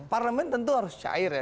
parlemen tentu harus cair ya